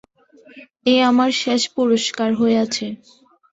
এই আমার শেষ পুরস্কার হইয়াছে।